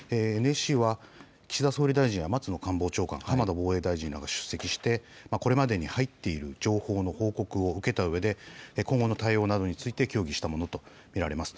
ＮＳＣは岸田総理大臣や松野官房長官、浜田防衛大臣らが出席して、これまでに入っている情報の報告を受けたうえで、今後の対応などについて協議したものと見られます。